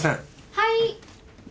はい。